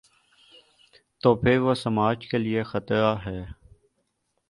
تو پھر وہ سماج کے لیے خطرہ ہے۔